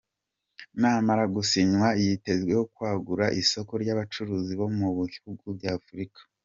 N’amara gusinywa yitezweho kwagûra isoko ry’abacuruzi bo mu bihugu bya Africa.